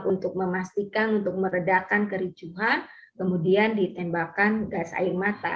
untuk memastikan untuk meredakan kericuhan kemudian ditembakkan gas air mata